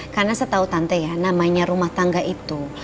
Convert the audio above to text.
karena saya tahu tante ya namanya rumah tangga itu